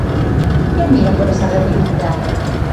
¿Quen mira por esa rendibilidade?